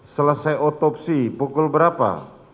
selesai otopsi pukul berapa